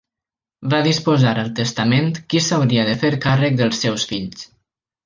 Va disposar al testament qui s'hauria de fer càrrec dels seus fills.